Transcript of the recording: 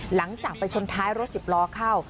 หลังจากไปชนท้ายรถสิบล้อเข้า